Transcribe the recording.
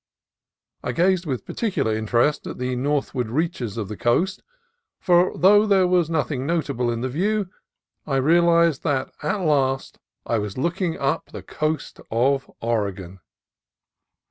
I gazed with particular interest at the northward reaches of the coast, for though there was nothing notable in the view, I real ized that at last I was looking up the coast of Oregon.